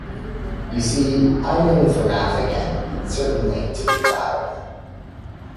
You see, I'm in for math again, and certain to be ploughed.